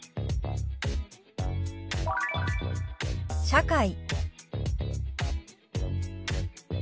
「社会」。